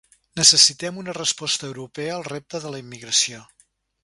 Necessitem una resposta europea al repte de la immigració.